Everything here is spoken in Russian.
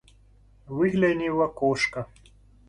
Выгляни в окошко.